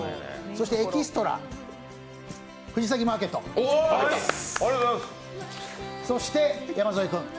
そしてエキストラ、藤崎マーケットそして山添君。